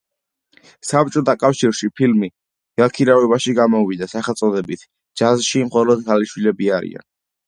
საბჭოთა კავშირში ფილმი გაქირავებაში გამოვიდა სახელწოდებით „ჯაზში მხოლოდ ქალიშვილები არიან“.